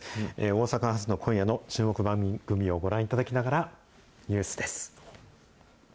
大阪発の今夜の注目番組をご覧いただきながら、ニュースです。